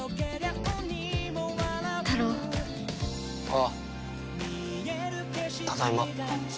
ああただいま。